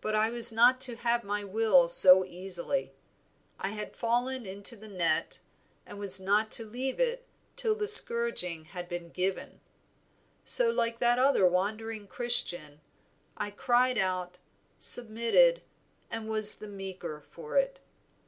But I was not to have my will so easily. I had fallen into the net, and was not to leave it till the scourging had been given. So like that other wandering Christian, I cried out, submitted, and was the meeker for it.